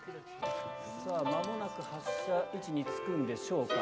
さあ、まもなく発射位置につくんでしょうか。